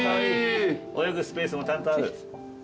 泳ぐスペースもちゃんとある。